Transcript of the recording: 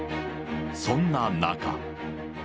そんな中。